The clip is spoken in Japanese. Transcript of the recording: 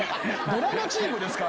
ドラマチームですか？